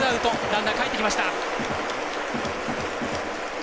ランナーかえってきました。